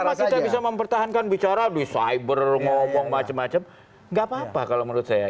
selama kita bisa mempertahankan bicara bisa beromong macam macam nggak apa apa kalau menurut saya